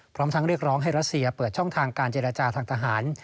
พร้อมทั้งเรียกร้องให้รัสเซียเปิดช่องทางการเจรจาทางทหาร